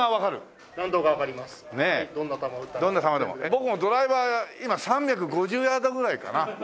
僕もドライバー今３５０ヤードぐらいかな。